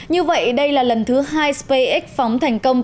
như vậy đây là lần thứ hai spacex phóng thành công